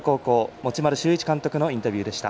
持丸修一監督のインタビューでした。